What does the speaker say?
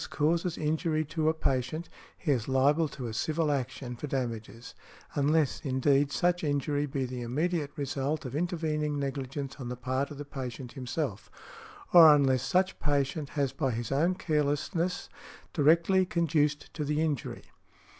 causes injury to a patient, he is liable to a civil action for damages, unless, indeed, such injury be the immediate result of intervening negligence on the part of the patient himself, or unless such patient has by his own carelessness directly conduced to the injury .